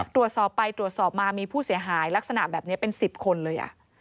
ตรวจสอบไปตรวจสอบมามีผู้เสียหายลักษณะแบบนี้เป็น๑๐คนเลย